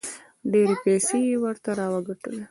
ډېرې پیسې یې ورته راوګټلې.